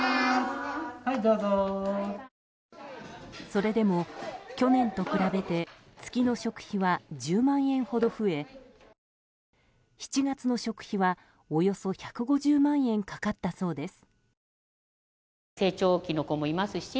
それでも、去年と比べて月の食費は１０万円ほど増え７月の食費はおよそ１５０万円かかったそうです。